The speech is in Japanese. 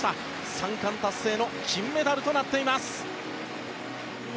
３冠達成の金メダルとなっています。